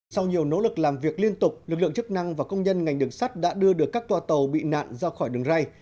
sau nhiều nỗ lực làm việc liên tục lực lượng chức năng và công nhân ngành đường sắt đã đưa được các toa tàu bị nạn ra khỏi đường ray